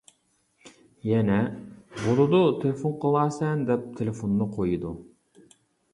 يەنە:-بولىدۇ، تېلېفون قىلارسەن دەپ تېلېفوننى قويىدۇ.